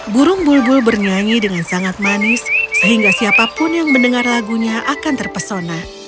burung bulbul bernyanyi dengan sangat manis sehingga siapapun yang mendengar lagunya akan terpesona